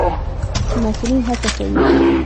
مسئولين هڅه کوي